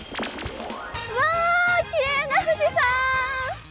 うわきれいな富士山！